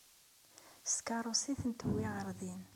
S tkeṛṛust ay ten-tewwi ɣer din.